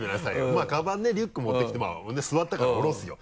まぁカバンねリュック持って来て座ったから下ろすよ。